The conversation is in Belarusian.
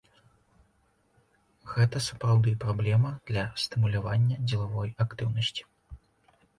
Гэта сапраўды праблема для стымулявання дзелавой актыўнасці.